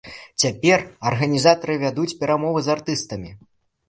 Цяпер арганізатары вядуць перамовы з артыстамі.